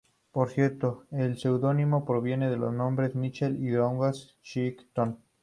Por cierto, el seudónimo proviene de los nombres Michael y Douglas Crichton.